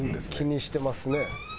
気にしてますね。